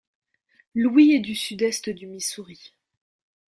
Louis et du sud-est du Missouri.